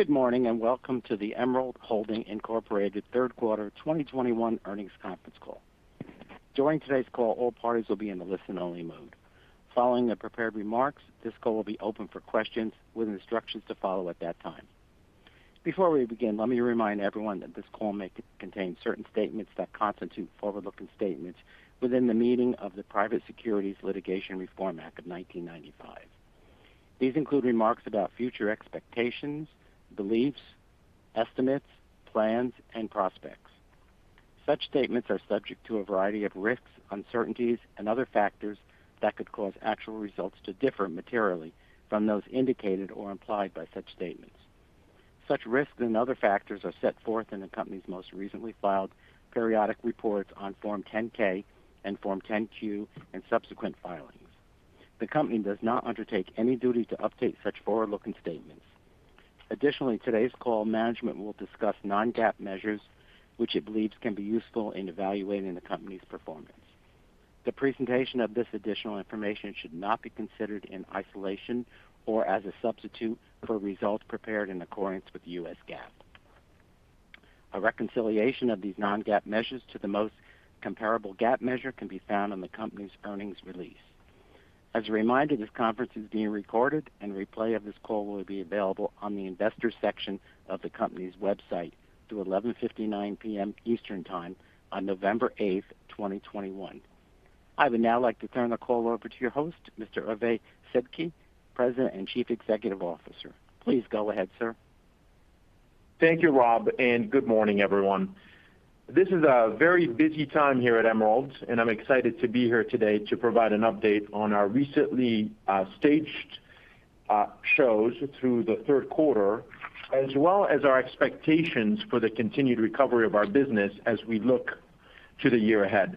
Good morning, and welcome to the Emerald Holding, Inc. third quarter 2021 earnings conference call. During today's call, all parties will be in the listen-only mode. Following the prepared remarks, this call will be open for questions with instructions to follow at that time. Before we begin, let me remind everyone that this call may contain certain statements that constitute forward-looking statements within the meaning of the Private Securities Litigation Reform Act of 1995. These include remarks about future expectations, beliefs, estimates, plans, and prospects. Such statements are subject to a variety of risks, uncertainties, and other factors that could cause actual results to differ materially from those indicated or implied by such statements. Such risks and other factors are set forth in the company's most recently filed periodic reports on Form 10-K and Form 10-Q and subsequent filings. The company does not undertake any duty to update such forward-looking statements. Additionally, today's call management will discuss non-GAAP measures, which it believes can be useful in evaluating the company's performance. The presentation of this additional information should not be considered in isolation or as a substitute for results prepared in accordance with U.S. GAAP. A reconciliation of these non-GAAP measures to the most comparable GAAP measure can be found on the company's earnings release. As a reminder, this conference is being recorded and replay of this call will be available on the investors section of the company's website through 11:59 PM. Eastern Time on November 8, 2021. I would now like to turn the call over to your host, Mr. Hervé Sedky, President and Chief Executive Officer. Please go ahead, sir. Thank you, Rob, and good morning, everyone. This is a very busy time here at Emerald, and I'm excited to be here today to provide an update on our recently staged shows through the third quarter, as well as our expectations for the continued recovery of our business as we look to the year ahead.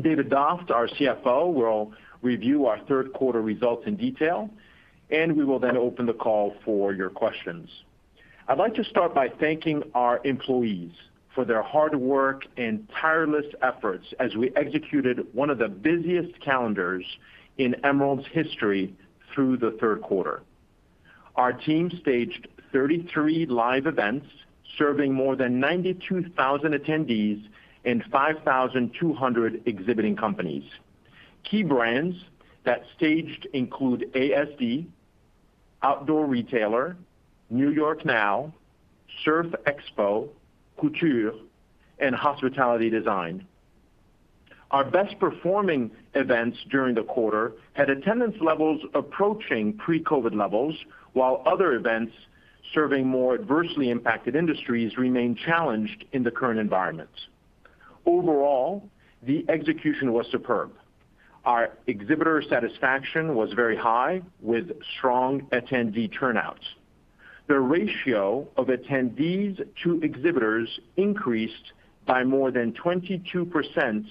David Doft, our CFO, will review our third quarter results in detail, and we will then open the call for your questions. I'd like to start by thanking our employees for their hard work and tireless efforts as we executed one of the busiest calendars in Emerald's history through the third quarter. Our team staged 33 live events, serving more than 92,000 attendees and 5,200 exhibiting companies. Key brands that staged include ASD, Outdoor Retailer, New York NOW, Surf Expo, COUTURE, and Hospitality Design. Our best-performing events during the quarter had attendance levels approaching pre-COVID levels, while other events serving more adversely impacted industries remained challenged in the current environment. Overall, the execution was superb. Our exhibitor satisfaction was very high, with strong attendee turnouts. The ratio of attendees to exhibitors increased by more than 22%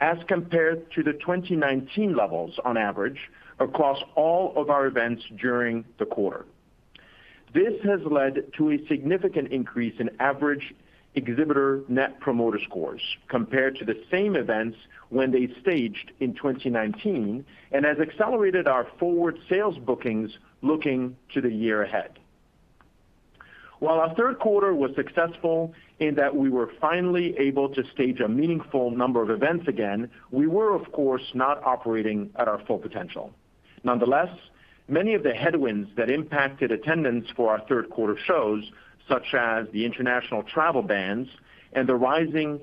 as compared to the 2019 levels on average across all of our events during the quarter. This has led to a significant increase in average exhibitor Net Promoter Scores compared to the same events when they staged in 2019 and has accelerated our forward sales bookings looking to the year ahead. While our third quarter was successful in that we were finally able to stage a meaningful number of events again, we were, of course, not operating at our full potential. Nonetheless, many of the headwinds that impacted attendance for our third quarter shows, such as the international travel bans and the rising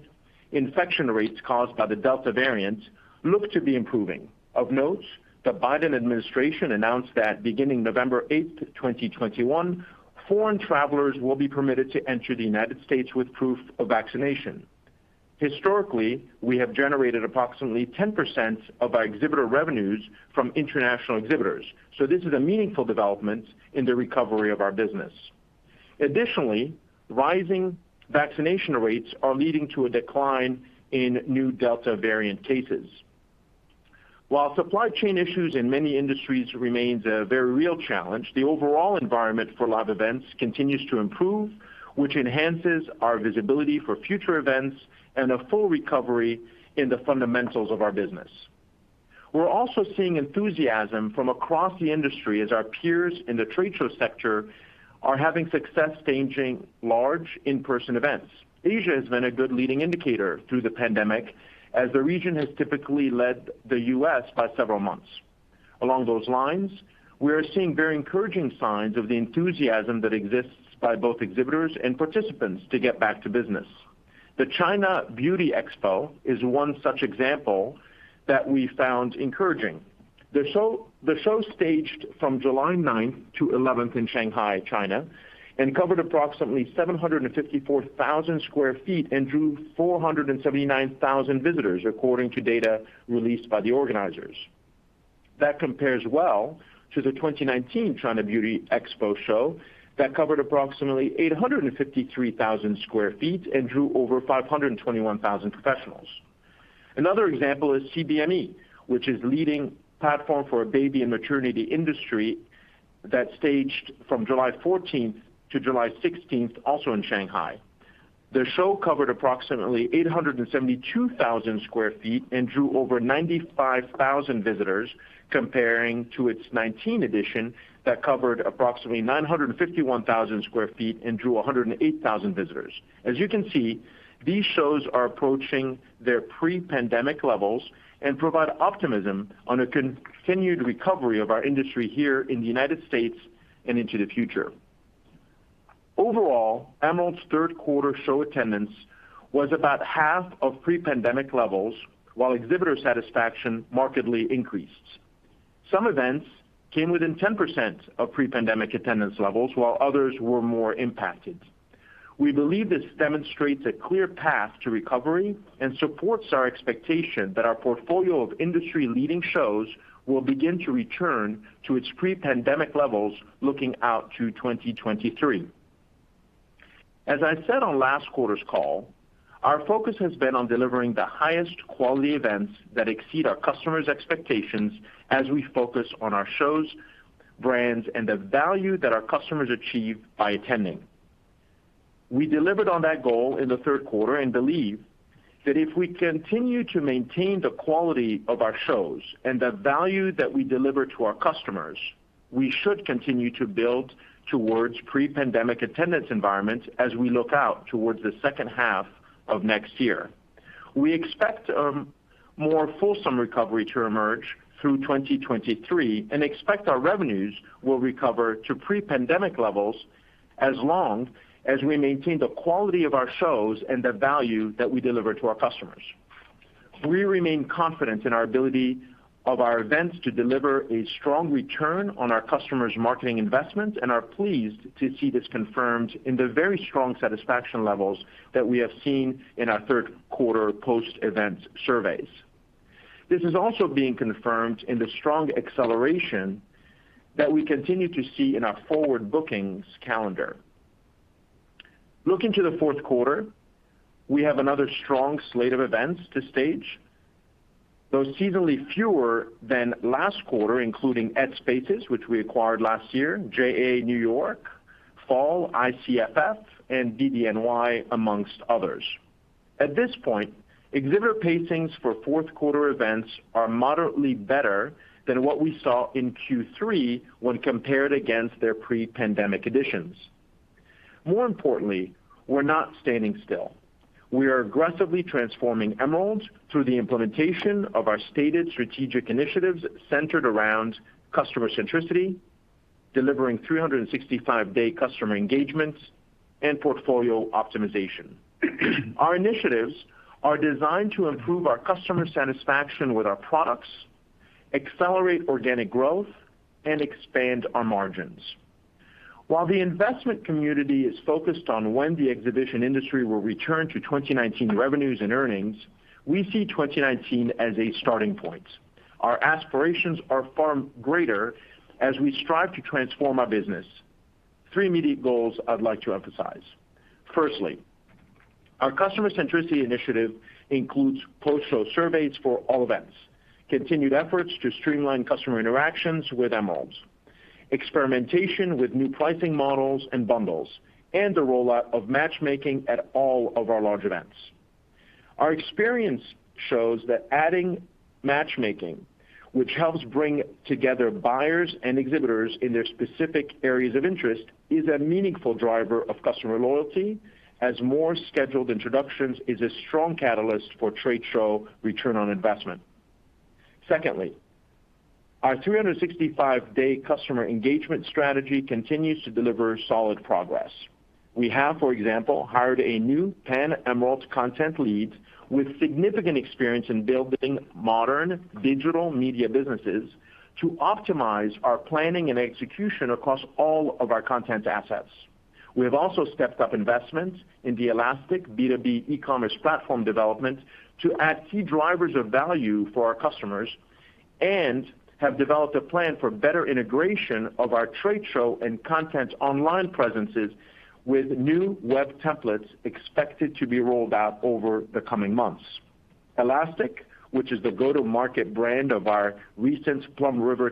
infection rates caused by the Delta variant, look to be improving. Of note, the Biden administration announced that beginning November 8, 2021, foreign travelers will be permitted to enter the United States with proof of vaccination. Historically, we have generated approximately 10% of our exhibitor revenues from international exhibitors, so this is a meaningful development in the recovery of our business. Additionally, rising vaccination rates are leading to a decline in new Delta variant cases. While supply chain issues in many industries remains a very real challenge, the overall environment for live events continues to improve, which enhances our visibility for future events and a full recovery in the fundamentals of our business. We're also seeing enthusiasm from across the industry as our peers in the trade show sector are having success staging large in-person events. Asia has been a good leading indicator through the pandemic, as the region has typically led the U.S. by several months. Along those lines, we are seeing very encouraging signs of the enthusiasm that exists by both exhibitors and participants to get back to business. The China Beauty Expo is one such example that we found encouraging. The show staged from July 9 to 11 in Shanghai, China, and covered approximately 754,000 sq ft and drew 479,000 visitors, according to data released by the organizers. That compares well to the 2019 China Beauty Expo show that covered approximately 853,000 sq ft and drew over 521,000 professionals. Another example is CBME, which is leading platform for a baby and maternity industry that staged from July 14 to July 16, also in Shanghai. The show covered approximately 872,000 sq ft and drew over 95,000 visitors, comparing to its 2019 edition that covered approximately 951,000 sq ft and drew 108,000 visitors. As you can see, these shows are approaching their pre-pandemic levels and provide optimism on a continued recovery of our industry here in the United States and into the future. Overall, Emerald's third quarter show attendance was about half of pre-pandemic levels, while exhibitor satisfaction markedly increased. Some events came within 10% of pre-pandemic attendance levels, while others were more impacted. We believe this demonstrates a clear path to recovery and supports our expectation that our portfolio of industry-leading shows will begin to return to its pre-pandemic levels looking out to 2023. As I said on last quarter's call, our focus has been on delivering the highest quality events that exceed our customers' expectations as we focus on our shows, brands, and the value that our customers achieve by attending. We delivered on that goal in the third quarter and believe that if we continue to maintain the quality of our shows and the value that we deliver to our customers, we should continue to build towards pre-pandemic attendance environments as we look out towards the H2 of next year. We expect more fulsome recovery to emerge through 2023 and expect our revenues will recover to pre-pandemic levels as long as we maintain the quality of our shows and the value that we deliver to our customers. We remain confident in our ability of our events to deliver a strong return on our customers' marketing investments and are pleased to see this confirmed in the very strong satisfaction levels that we have seen in our third quarter post-event surveys. This is also being confirmed in the strong acceleration that we continue to see in our forward bookings calendar. Looking to the fourth quarter, we have another strong slate of events to stage, though seasonally fewer than last quarter, including EDspaces, which we acquired last year, JA New York, Fall ICFF, and BDNY, amongst others. At this point, exhibitor pacings for fourth quarter events are moderately better than what we saw in Q3 when compared against their pre-pandemic editions. More importantly, we're not standing still. We are aggressively transforming Emerald through the implementation of our stated strategic initiatives centered around customer centricity, delivering 365-day customer engagements, and portfolio optimization. Our initiatives are designed to improve our customer satisfaction with our products, accelerate organic growth, and expand our margins. While the investment community is focused on when the exhibition industry will return to 2019 revenues and earnings, we see 2019 as a starting point. Our aspirations are far greater as we strive to transform our business. Three immediate goals I'd like to emphasize. Firstly, our customer centricity initiative includes post-show surveys for all events, continued efforts to streamline customer interactions with Emerald, experimentation with new pricing models and bundles, and the rollout of matchmaking at all of our large events. Our experience shows that adding matchmaking, which helps bring together buyers and exhibitors in their specific areas of interest, is a meaningful driver of customer loyalty as more scheduled introductions is a strong catalyst for trade show return on investment. Secondly, our 365-day customer engagement strategy continues to deliver solid progress. We have, for example, hired a new pan-Emerald content lead with significant experience in building modern digital media businesses to optimize our planning and execution across all of our content assets. We have also stepped up investments in the Elastic B2B e-commerce platform development to add key drivers of value for our customers and have developed a plan for better integration of our trade show and content online presences with new web templates expected to be rolled out over the coming months. Elastic, which is the go-to-market brand of our recent PlumRiver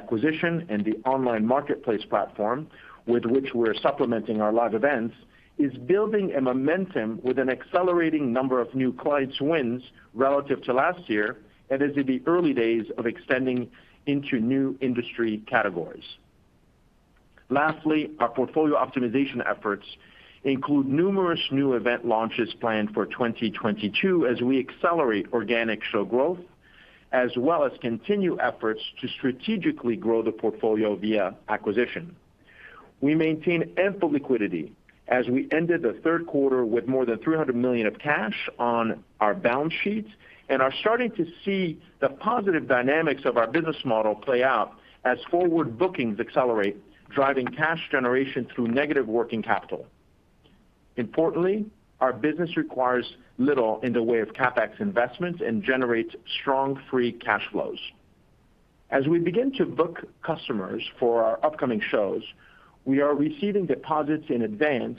acquisition and the online marketplace platform with which we're supplementing our live events, is building a momentum with an accelerating number of new clients wins relative to last year and is in the early days of extending into new industry categories. Lastly, our portfolio optimization efforts include numerous new event launches planned for 2022 as we accelerate organic show growth, as well as continue efforts to strategically grow the portfolio via acquisition. We maintain ample liquidity as we ended the third quarter with more than $300 million of cash on our balance sheets and are starting to see the positive dynamics of our business model play out as forward bookings accelerate, driving cash generation through negative working capital. Importantly, our business requires little in the way of CapEx investments and generates strong free cash flows. As we begin to book customers for our upcoming shows, we are receiving deposits in advance,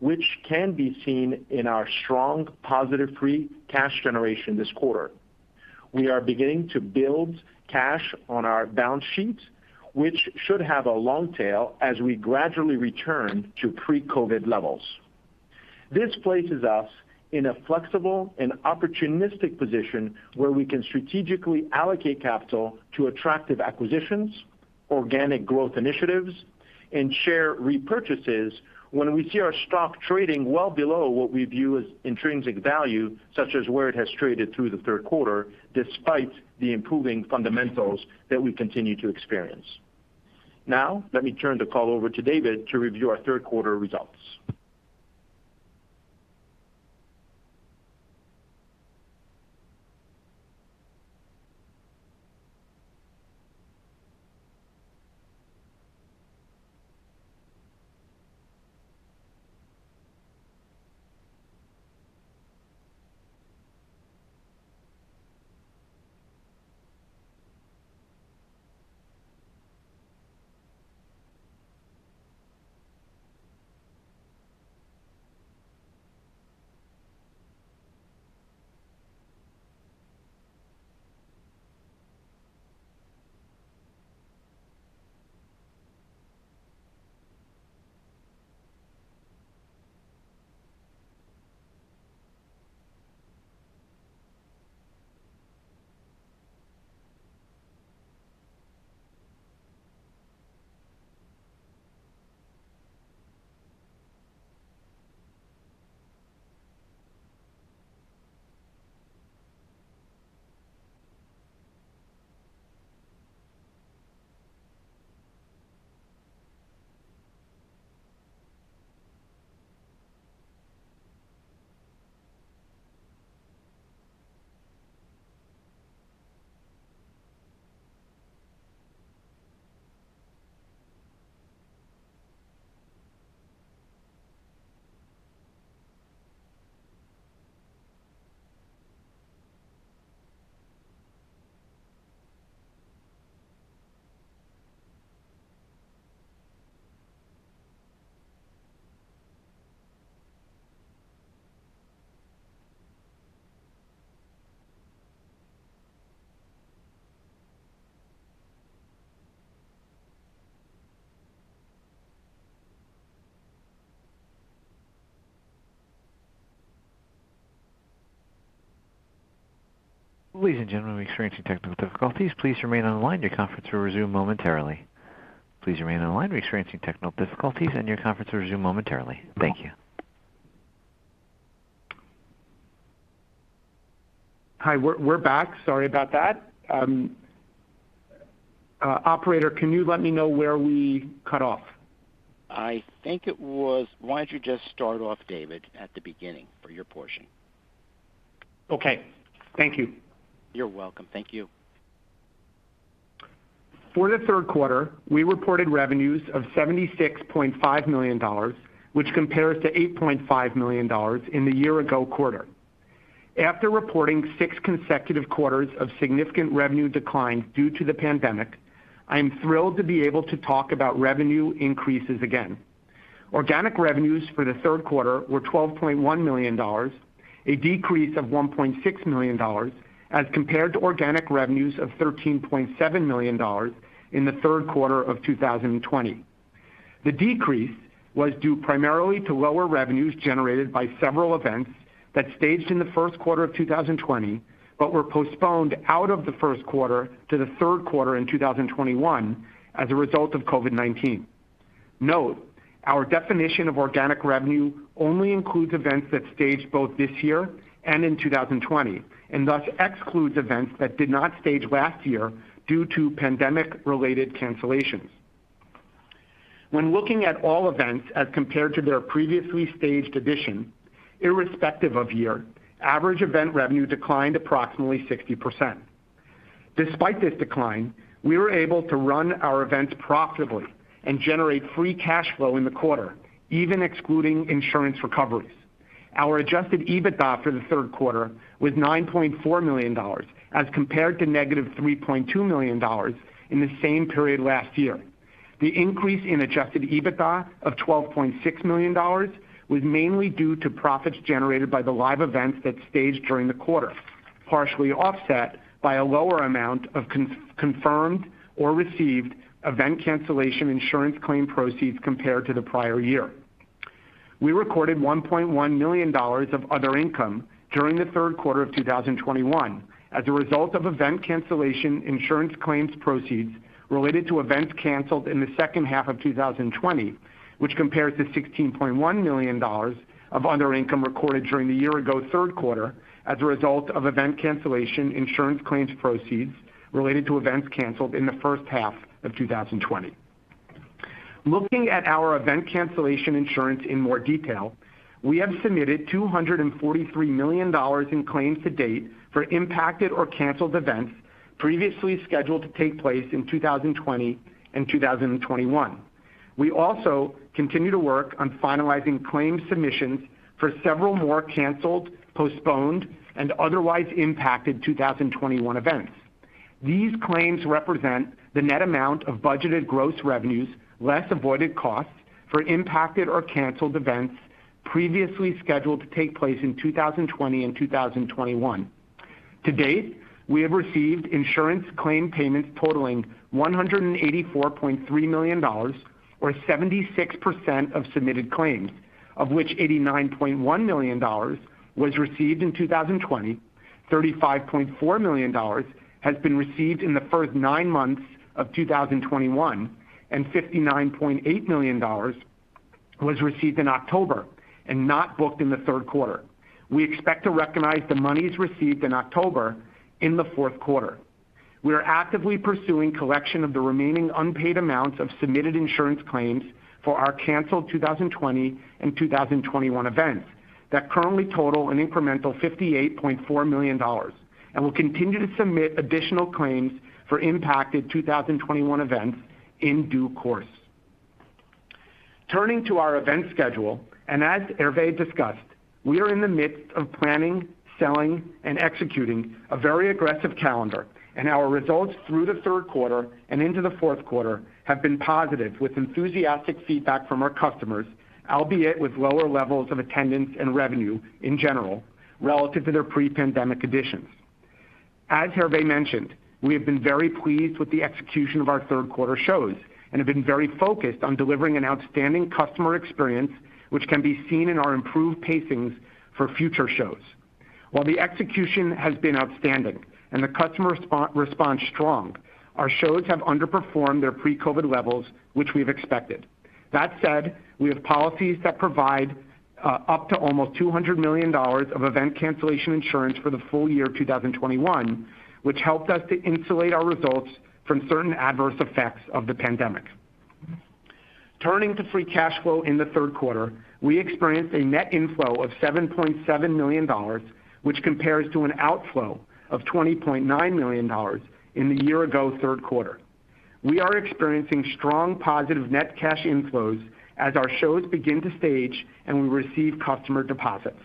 which can be seen in our strong, positive free cash generation this quarter. We are beginning to build cash on our balance sheet, which should have a long tail as we gradually return to pre-COVID levels. This places us in a flexible and opportunistic position where we can strategically allocate capital to attractive acquisitions, organic growth initiatives, and share repurchases when we see our stock trading well below what we view as intrinsic value, such as where it has traded through the third quarter despite the improving fundamentals that we continue to experience. Now, let me turn the call over to David to review our third quarter results. Ladies and gentlemen, we're experiencing technical difficulties. Please remain on the line. Your conference will resume momentarily. Please remain on the line. We're experiencing technical difficulties, and your conference will resume momentarily. Thank you. Hi. We're back. Sorry about that. Operator, can you let me know where we cut off? Why don't you just start off, David, at the beginning for your portion? Okay. Thank you. You're welcome. Thank you. For the third quarter, we reported revenues of $76.5 million, which compares to $8.5 million in the year ago quarter. After reporting six consecutive quarters of significant revenue decline due to the pandemic, I am thrilled to be able to talk about revenue increases again. Organic revenues for the third quarter were $12.1 million, a decrease of $1.6 million as compared to organic revenues of $13.7 million in the third quarter of 2020. The decrease was due primarily to lower revenues generated by several events that staged in the first quarter of 2020, but were postponed out of the first quarter to the third quarter in 2021 as a result of COVID-19. Note, our definition of organic revenue only includes events that staged both this year and in 2020, and thus excludes events that did not stage last year due to pandemic-related cancellations. When looking at all events as compared to their previously staged edition, irrespective of year, average event revenue declined approximately 60%. Despite this decline, we were able to run our events profitably and generate free cash flow in the quarter, even excluding insurance recoveries. Our Adjusted EBITDA for the third quarter was $9.4 million as compared to -$3.2 million in the same period last year. The increase in Adjusted EBITDA of $12.6 million was mainly due to profits generated by the live events that staged during the quarter, partially offset by a lower amount of confirmed or received event cancellation insurance claim proceeds compared to the prior year. We recorded $1.1 million of other income during the third quarter of 2021 as a result of event cancellation insurance claims proceeds related to events canceled in the H2 of 2020, which compares to $16.1 million of other income recorded during the year ago third quarter as a result of event cancellation insurance claims proceeds related to events canceled in the H1 of 2020. Looking at our event cancellation insurance in more detail, we have submitted $243 million in claims to date for impacted or canceled events previously scheduled to take place in 2020 and 2021. We also continue to work on finalizing claim submissions for several more canceled, postponed, and otherwise impacted 2021 events. These claims represent the net amount of budgeted gross revenues less avoided costs for impacted or canceled events previously scheduled to take place in 2020 and 2021. To date, we have received insurance claim payments totaling $184.3 million or 76% of submitted claims, of which $89.1 million was received in 2020, $35.4 million has been received in the first nine months of 2021, and $59.8 million was received in October and not booked in the third quarter. We expect to recognize the monies received in October in the fourth quarter. We are actively pursuing collection of the remaining unpaid amounts of submitted insurance claims for our canceled 2020 and 2021 events that currently total an incremental $58.4 million, and we'll continue to submit additional claims for impacted 2021 events in due course. Turning to our event schedule, as Hervé discussed, we are in the midst of planning, selling, and executing a very aggressive calendar, and our results through the third quarter and into the fourth quarter have been positive with enthusiastic feedback from our customers, albeit with lower levels of attendance and revenue in general relative to their pre-pandemic conditions. As Hervé mentioned, we have been very pleased with the execution of our third quarter shows and have been very focused on delivering an outstanding customer experience, which can be seen in our improved pacings for future shows. While the execution has been outstanding and the customer response strong, our shows have underperformed their pre-COVID levels, which we've expected. That said, we have policies that provide up to almost $200 million of event cancellation insurance for the full year 2021, which helped us to insulate our results from certain adverse effects of the pandemic. Turning to free cash flow in the third quarter, we experienced a net inflow of $7.7 million, which compares to an outflow of $20.9 million in the year-ago third quarter. We are experiencing strong positive net cash inflows as our shows begin to stage and we receive customer deposits.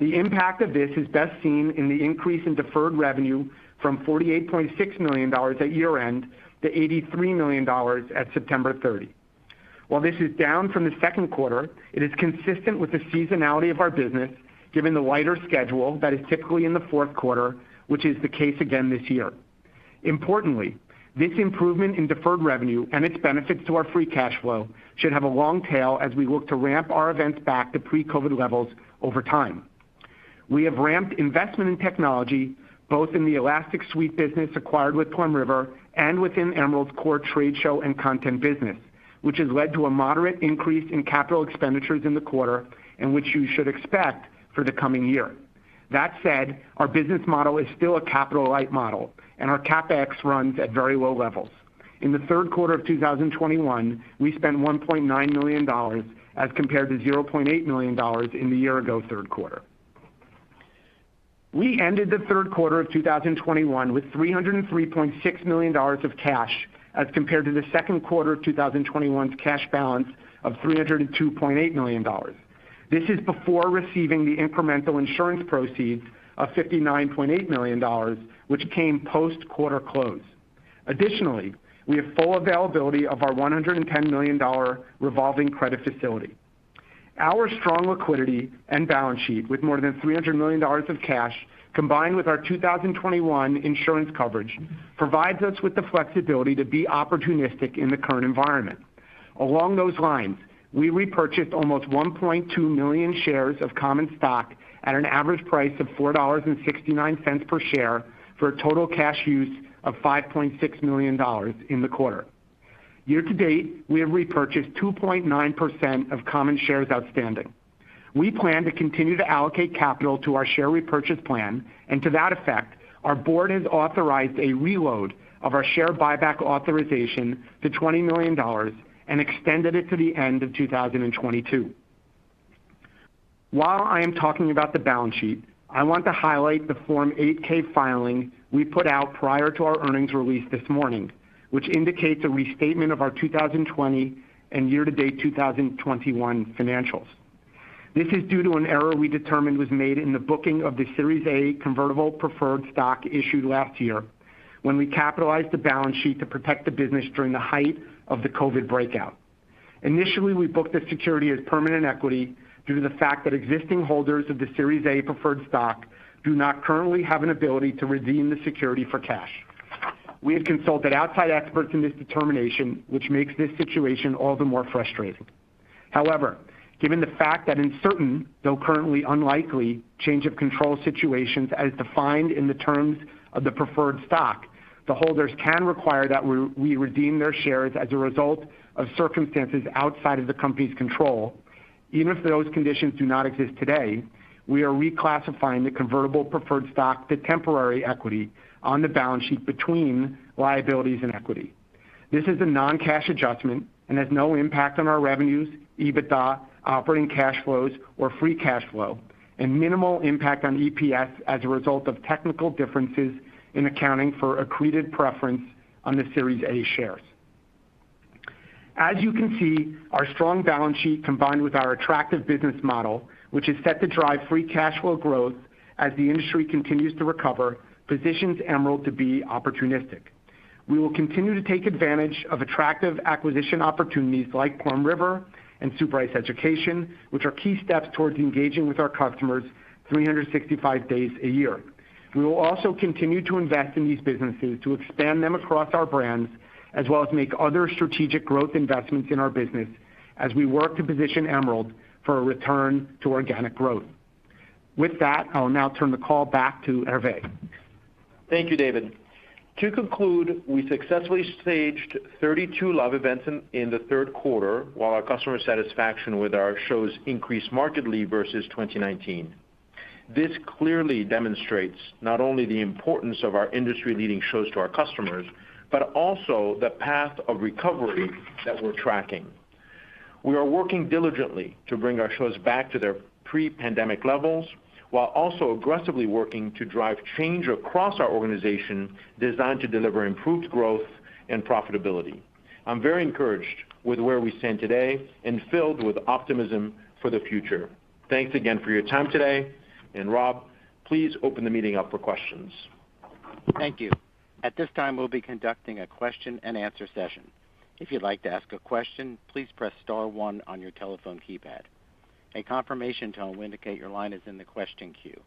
The impact of this is best seen in the increase in deferred revenue from $48.6 million at year-end to $83 million at September 30. While this is down from the second quarter, it is consistent with the seasonality of our business given the lighter schedule that is typically in the fourth quarter, which is the case again this year. Importantly, this improvement in deferred revenue and its benefits to our free cash flow should have a long tail as we look to ramp our events back to pre-COVID levels over time. We have ramped investment in technology, both in the Elastic Suite business acquired with PlumRiver and within Emerald's core trade show and content business, which has led to a moderate increase in capital expenditures in the quarter and which you should expect for the coming year. That said, our business model is still a capital-light model, and our CapEx runs at very low levels. In the third quarter of 2021, we spent $1.9 million as compared to $0.8 million in the year ago third quarter. We ended the third quarter of 2021 with $303.6 million of cash as compared to the second quarter of 2021's cash balance of $302.8 million. This is before receiving the incremental insurance proceeds of $59.8 million, which came post-quarter close. Additionally, we have full availability of our $110 million revolving credit facility. Our strong liquidity and balance sheet with more than $300 million of cash combined with our 2021 insurance coverage provides us with the flexibility to be opportunistic in the current environment. Along those lines, we repurchased almost 1.2 million shares of common stock at an average price of $4.69 per share for a total cash use of $5.6 million in the quarter. Year to date, we have repurchased 2.9% of common shares outstanding. We plan to continue to allocate capital to our share repurchase plan, and to that effect, our board has authorized a reload of our share buyback authorization to $20 million and extended it to the end of 2022. While I am talking about the balance sheet, I want to highlight the Form 8-K filing we put out prior to our earnings release this morning, which indicates a restatement of our 2020 and year-to-date 2021 financials. This is due to an error we determined was made in the booking of the Series A convertible preferred stock issued last year when we capitalized the balance sheet to protect the business during the height of the COVID-19 outbreak. Initially, we booked the security as permanent equity due to the fact that existing holders of the Series A preferred stock do not currently have an ability to redeem the security for cash. We have consulted outside experts in this determination, which makes this situation all the more frustrating. However, given the fact that in certain, though currently unlikely, change of control situations as defined in the terms of the preferred stock, the holders can require that we redeem their shares as a result of circumstances outside of the company's control. Even if those conditions do not exist today, we are reclassifying the convertible preferred stock to temporary equity on the balance sheet between liabilities and equity. This is a non-cash adjustment and has no impact on our revenues, EBITDA, operating cash flows, or free cash flow, and minimal impact on EPS as a result of technical differences in accounting for accreted preference on the Series A shares. As you can see, our strong balance sheet combined with our attractive business model, which is set to drive free cash flow growth as the industry continues to recover, positions Emerald to be opportunistic. We will continue to take advantage of attractive acquisition opportunities like PlumRiver and Sue Bryce Education, which are key steps towards engaging with our customers 365 days a year. We will also continue to invest in these businesses to expand them across our brands, as well as make other strategic growth investments in our business as we work to position Emerald for a return to organic growth. With that, I'll now turn the call back to Hervé. Thank you, David. To conclude, we successfully staged 32 live events in the third quarter, while our customer satisfaction with our shows increased markedly versus 2019. This clearly demonstrates not only the importance of our industry-leading shows to our customers, but also the path of recovery that we're tracking. We are working diligently to bring our shows back to their pre-pandemic levels, while also aggressively working to drive change across our organization designed to deliver improved growth and profitability. I'm very encouraged with where we stand today and filled with optimism for the future. Thanks again for your time today. Rob, please open the meeting up for questions. Thank you. At this time, we'll be conducting a question-and-answer session. If you'd like to ask a question, please press star one on your telephone keypad. A confirmation tone will indicate your line is in the question queue.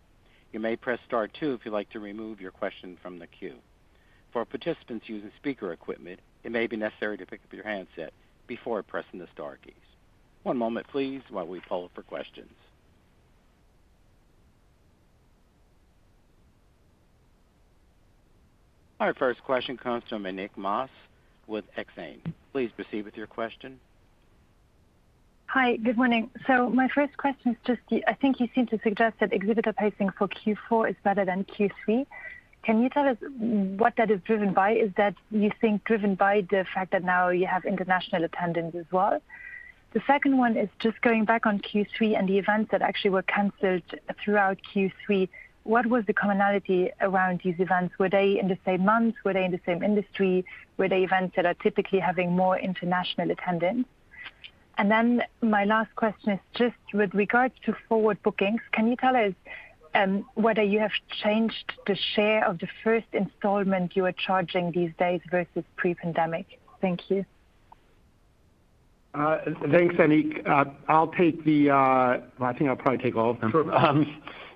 You may press star two if you'd like to remove your question from the queue. For participants using speaker equipment, it may be necessary to pick up your handset before pressing the star keys. One moment, please, while we poll for questions. Our first question comes from Anik Mas with Exane. Please proceed with your question. Hi. Good morning. My first question is just, I think you seem to suggest that exhibitor pacing for Q4 is better than Q3. Can you tell us what that is driven by? Is that, you think, driven by the fact that now you have international attendance as well? The second one is just going back on Q3 and the events that actually were canceled throughout Q3. What was the commonality around these events? Were they in the same month? Were they in the same industry? Were they events that are typically having more international attendance? And then my last question is just with regard to forward bookings, can you tell us whether you have changed the share of the first installment you are charging these days versus pre-pandemic? Thank you. Thanks, Anik. Well, I think I'll probably take all of them,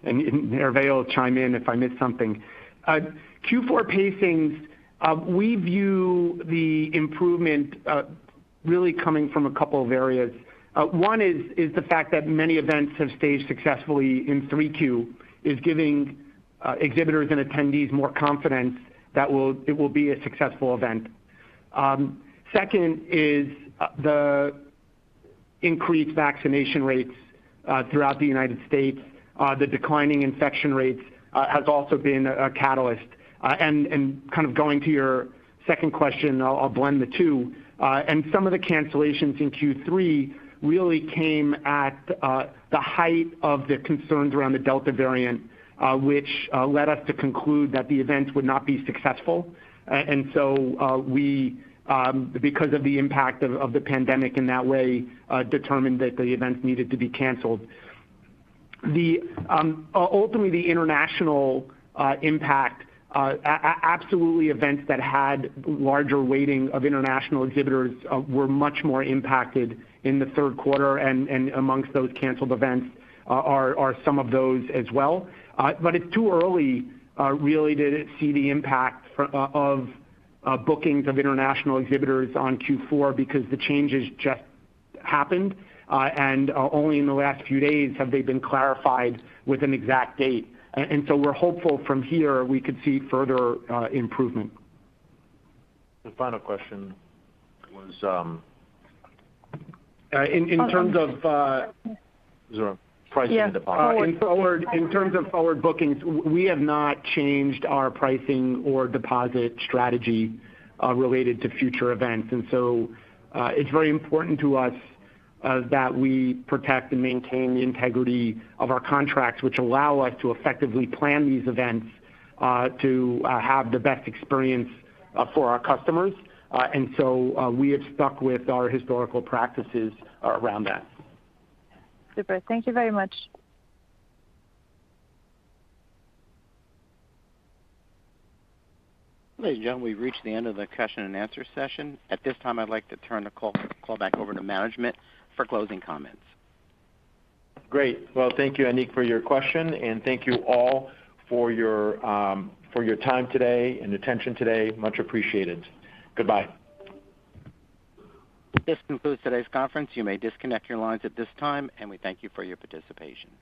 and Hervé will chime in if I miss something. Q4 pacings, we view the improvement really coming from a couple of areas. One is the fact that many events have staged successfully in 3Q's giving exhibitors and attendees more confidence that it will be a successful event. Second is the increased vaccination rates throughout the United States. The declining infection rates has also been a catalyst. And kind of going to your second question, I'll blend the two. Some of the cancellations in Q3 really came at the height of the concerns around the Delta variant, which led us to conclude that the events would not be successful. We, because of the impact of the pandemic in that way, determined that the events needed to be canceled. Ultimately, the international impact. Events that had a larger weighting of international exhibitors were much more impacted in the third quarter, and amongst those canceled events are some of those as well. It's too early, really, to see the impact of bookings of international exhibitors on Q4 because the changes just happened. Only in the last few days have they been clarified with an exact date. We're hopeful from here that we could see further improvement. The final question was. In terms of Oh. Is there a- Pricing and deposit. In terms of forward bookings, we have not changed our pricing or deposit strategy related to future events. It's very important to us that we protect and maintain the integrity of our contracts which allow us to effectively plan these events to have the best experience for our customers. We have stuck with our historical practices around that. Super. Thank you very much. Ladies and gentlemen, we've reached the end of the question-and-answer session. At this time, I'd like to turn the call back over to management for closing comments. Great. Well, thank you, Anik, for your question, and thank you all for your time today and attention today. Much appreciated. Goodbye. This concludes today's conference. You may disconnect your lines at this time, and we thank you for your participation.